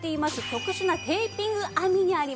特殊なテーピング編みにあります。